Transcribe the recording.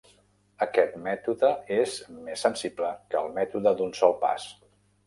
Aquest mètode és més sensible que el mètode d'un sol pas.